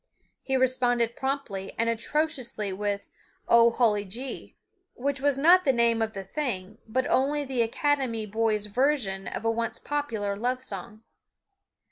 He responded promptly and atrociously with "O Hully Gee," which was not the name of the thing, but only the academy boys' version of a once popular love song.